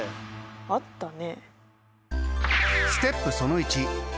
あったね。